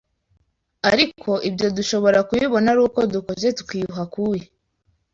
ariko ibyo dushobora kubibona ari uko dukoze tukiyuha akuya.